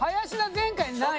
前回７位。